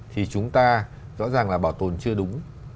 thì chúng ta rõ ràng là bảo tồn chưa đúng